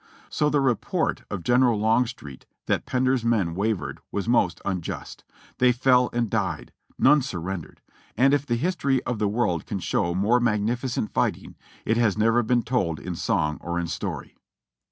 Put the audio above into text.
So the report of General Long street that Pender's men wavered was most unjust; they fell and died ; none surrendered ; and if the history of the world can show more magnificent fighting, it has never been told in song or in story.